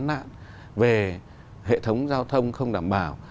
những cái vấn nạn về hệ thống giao thông không đảm bảo